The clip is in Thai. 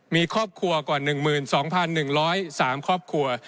มีครอบครัวกว่า๑๒๑๐๓ครอบครัว